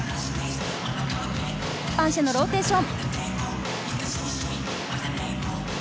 パンシェのローテーション。